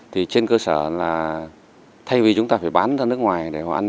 thì trên cơ sở là thay vì chúng ta phải bán ra nước ngoài để họ ăn